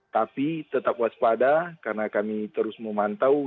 tapi tetap waspada karena kami terus memantau